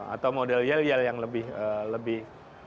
atau model yel yel yang lebih